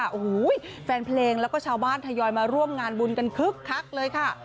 โอ้โหแฟนเพลงแล้วก็ชาวบ้านทยอยมาร่วมงานบุญกันคึกคักเลยค่ะ